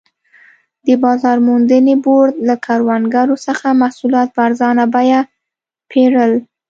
د بازار موندنې بورډ له کروندګرو څخه محصولات په ارزانه بیه پېرل.